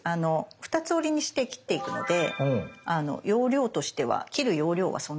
２つ折りにして切っていくので容量としては切る容量はそんなにないという切り絵です。